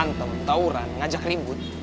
rantel tawuran ngajak ribut